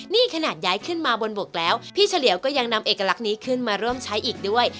นี่ขนาดย้ายขึ้นมาบนบกแล้วพี่เฉลียวก็ยังนำเอกลักษณ์นี้ขึ้นมาร่วมใช้อีกด้วย